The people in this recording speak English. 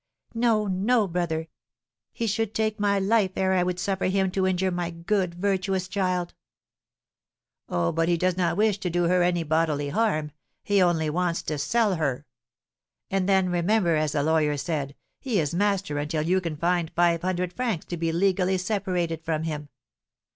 "No, no, brother; he should take my life ere I would suffer him to injure my good, my virtuous child." "Oh, but he does not wish to do her any bodily harm; he only wants to sell her. And then, remember, as the lawyer said, he is master until you can find five hundred francs to be legally separated from him.